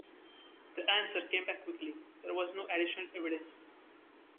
The answer came back quickly: There was no additional evidence.